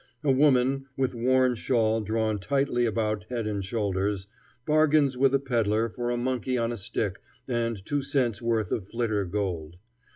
A woman, with worn shawl drawn tightly about head and shoulders, bargains with a peddler for a monkey on a stick and two cents' worth of flitter gold.